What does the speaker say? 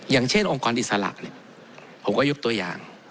อย่างเช่นองค์กรอิสระผมก็ยกตัวอย่าง